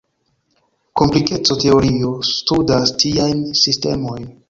Komplikeco-teorio studas tiajn sistemojn.